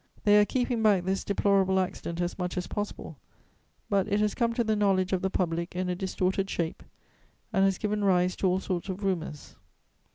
"They are keeping back this deplorable accident as much as possible, but it has come to the knowledge of the public in a distorted shape and has given rise to all sorts of rumours.